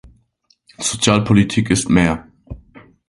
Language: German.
Sozialpolitik ist mehr!